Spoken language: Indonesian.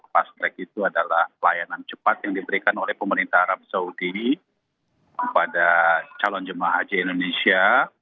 pas track itu adalah pelayanan cepat yang diberikan oleh pemerintah arab saudi kepada calon jemaah haji indonesia